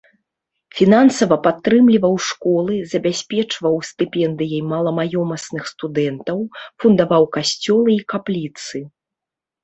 Фінансава падтрымліваў школы, забяспечваў стыпендыяй маламаёмасных студэнтаў, фундаваў касцёлы і капліцы.